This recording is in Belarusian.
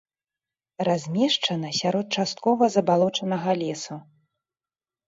Размешчана сярод часткова забалочанага лесу.